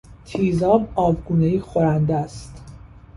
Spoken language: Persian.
تیزاب آبگونهای خورنده است.